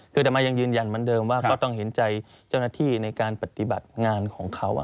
คือต่อมายังยืนยันเหมือนเดิมว่าก็ต้องเห็นใจเจ้าหน้าที่ในการปฏิบัติงานของเขา